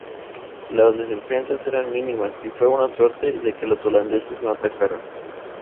Las defensas eran mínimas y fue una suerte de que los holandeses no atacaran.